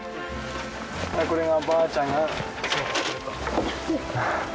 これはおばあちゃんが。